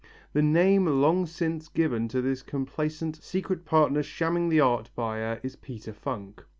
The name long since given to this complacent, secret partner shamming the art buyer is Peter Funk.